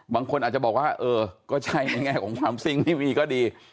บางคนอาจจะบอกว่าเออก็ใช่ในแง่ของความซิ่งไม่มีก็ดี